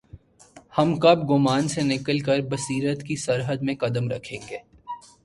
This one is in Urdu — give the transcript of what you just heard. ہم کب گمان سے نکل کربصیرت کی سرحد میں قدم رکھیں گے؟